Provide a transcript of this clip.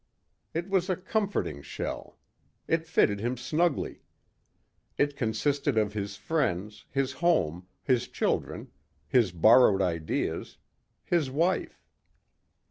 It was a comforting shell. It fitted him snugly. It consisted of his friends, his home, his children, his borrowed ideas, his wife.